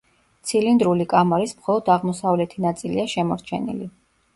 ცილინდრული კამარის მხოლოდ აღმოსავლეთი ნაწილია შემორჩენილი.